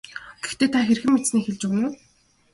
Гэхдээ та хэрхэн мэдсэнээ хэлж өгнө үү.